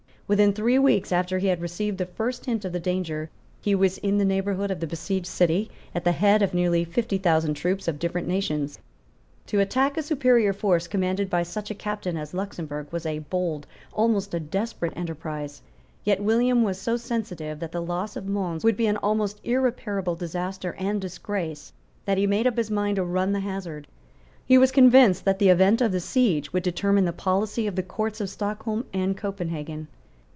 Within three weeks after he had received the first hint of the danger, he was in the neighbourhood of the besieged city, at the head of near fifty thousand troops of different nations. To attack a superior force commanded by such a captain as Luxemburg was a bold, almost a desperate, enterprise. Yet William was so sensible that the loss of Mons would be an almost irreparable disaster and disgrace that he made up his mind to run the hazard. He was convinced that the event of the siege would determine the policy of the Courts of Stockholm and Copenhagen.